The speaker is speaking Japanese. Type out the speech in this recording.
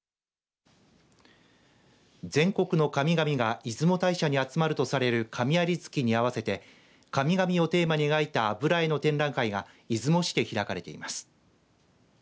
全国の神々が出雲大社に集まるとされる神在月に合わせて神々をテーマに描いた油絵の展覧会が出雲市で開かれています。